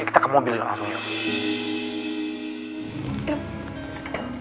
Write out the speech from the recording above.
kita ke mobil langsung yuk